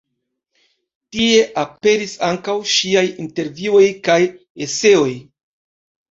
Tie aperis ankaŭ ŝiaj intervjuoj kaj eseoj.